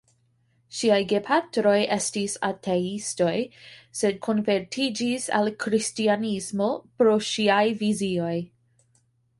Ŝiaj gepatroj estis ateistoj, sed konvertiĝis al kristanismo pro ŝiaj vizioj.